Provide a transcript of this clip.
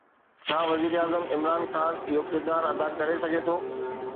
ڇا وزيراعظم عمران خان اهو ڪردار ادا ڪري سگهي ٿو؟